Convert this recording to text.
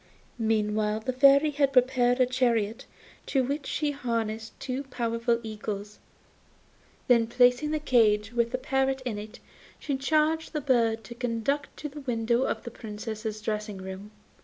Meantime the Fairy had prepared a chariot, to which she harnessed two powerful eagles; then placing the cage, with the parrot in it, she charged the bird to conduct it to the window of the Princess's dressing room.